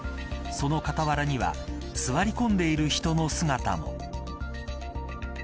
その傍らには座り込んでいる人の姿も。